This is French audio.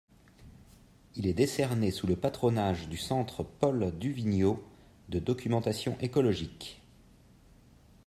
Il est décerné sous le patronage du Centre Paul Duvigneaud de documentation écologique.